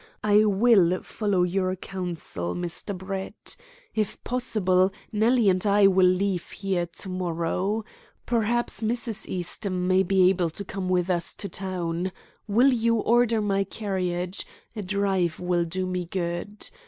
I will follow your counsel, Mr. Brett. If possible, Nellie and I will leave here to morrow. Perhaps Mrs. Eastham may be able to come with us to town. Will you order my carriage? A drive will do me good.